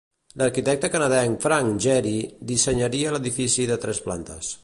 L'arquitecte canadenc Frank Gehry dissenyaria l'edifici de tres plantes.